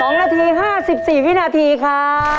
๒นาที๕๔วินาทีครับ